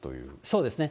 そうですね。